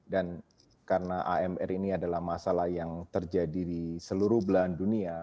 karena amr ini adalah masalah yang terjadi di seluruh belahan dunia